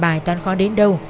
bài toán khó đến đâu